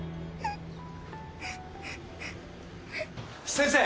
先生。